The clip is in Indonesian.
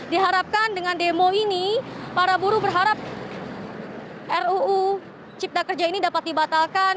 diharapkan dengan demo ini para buruh berharap ruu cipta kerja ini dapat dibatalkan